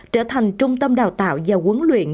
trở thành trung tâm đào tạo và quấn luyện